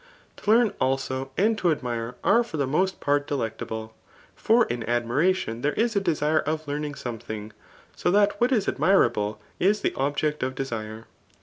To learn, also, and to admire are for the i^ost ' part 4e l^ctalikle. : For in admiration there is a d^ire of karping £«Qaething ;3 so that what 13 admira4)le is the object of desire.